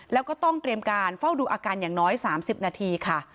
แล้วก็ต้องเตรียมการเฝ้าดูอาการอย่างน้อย๓๐นาทีค่ะ